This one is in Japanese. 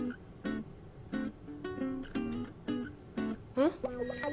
うん？